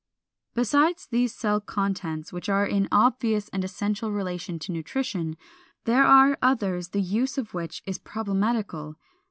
] 421. Besides these cell contents which are in obvious and essential relation to nutrition, there are others the use of which is problematical.